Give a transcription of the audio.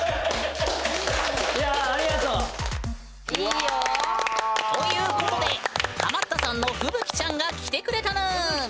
うわあ！いいよ！ということでハマったさんの風吹ちゃんが来てくれたぬん！